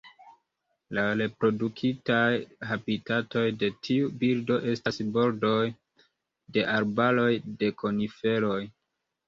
La reproduktaj habitatoj de tiu birdo estas bordoj de arbaroj de koniferoj.